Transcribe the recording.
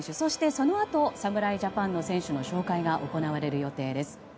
そのあと、侍ジャパンの選手の紹介が行われる予定です。